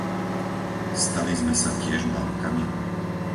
Stali sme sa tiež bábkami?